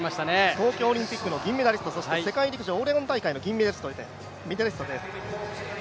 東京オリンピックの銀メダリスト、そして世界陸上オレゴン大会の銀メダリストでもあります。